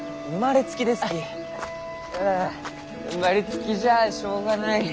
あ生まれつきじゃあしょうがない。